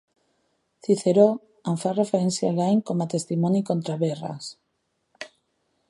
Ciceró en fa referència l'any com a testimoni contra Verres.